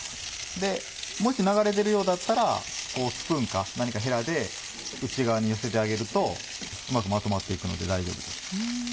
もし流れ出るようだったらスプーンか何かヘラで内側に寄せてあげるとうまくまとまって行くので大丈夫です。